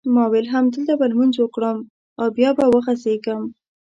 ما وېل همدلته به لمونځ وکړم او بیا به وغځېږم.